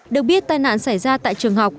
được biết tai nạn xảy ra tại trường học